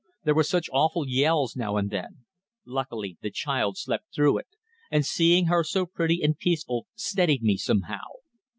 There were such awful yells now and then. Luckily the child slept through it, and seeing her so pretty and peaceful steadied me somehow.